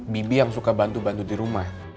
bibi yang suka bantu bantu di rumah